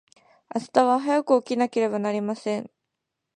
明日は早く起きなければなりません。